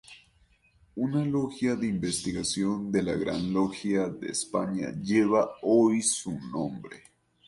Una logia de investigación de la Gran Logia de España lleva hoy su nombre.